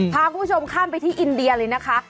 พาคุณผู้ชมข้ามไปที่อินเดียเลยนะคะ